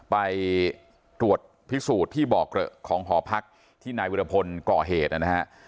ไปตรวจพิสูจน์ที่บ่อกระของภอพรรคที่นายวิทยาละพลก่อเหตุนะฮะอ่า